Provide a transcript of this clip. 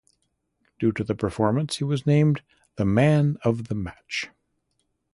Due to the performance, he was named the Man of the Match.